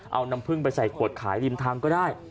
เอาน้ำพึ่งไปใส่ขวดขายริมทางก็ได้